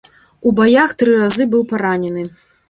У баях тры разы быў паранены.